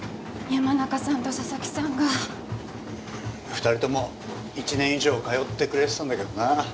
２人とも１年以上通ってくれてたんだけどな。